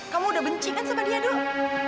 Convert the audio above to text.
kamu udah benci kan sama dia dong